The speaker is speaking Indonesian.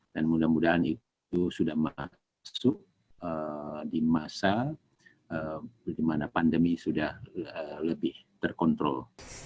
dan mudah mudahan itu sudah masuk di masa di mana pandemi sudah lebih terkontrol